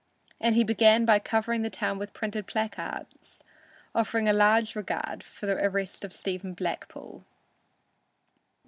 And he began by covering the town with printed placards, offering a large regard for the arrest of Stephen Blackpool.